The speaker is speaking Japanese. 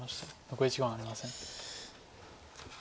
残り時間はありません。